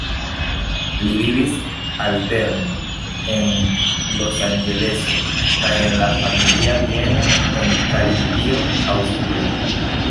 Li vivis alterne en Losanĝeleso kaj en la familia bieno en Karintio, Aŭstrio.